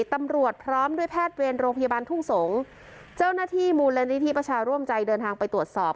ตำรวจพร้อมด้วยแพทย์เวรโรงพยาบาลทุ่งสงศ์เจ้าหน้าที่มูลนิธิประชาร่วมใจเดินทางไปตรวจสอบ